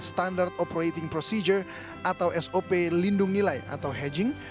standard operating procedure atau sop lindung nilai atau hedging